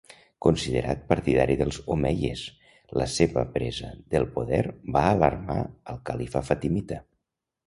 Considerat partidari dels omeies, la seva presa del poder va alarmar al califa fatimita.